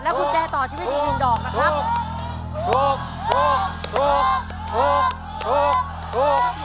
และกุญแจต่อชีวิตอีก๑ดอกนะครับ